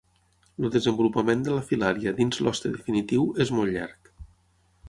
El desenvolupament de la filària dins l’hoste definitiu és molt llarg.